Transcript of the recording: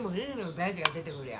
大蛇が出てくりゃ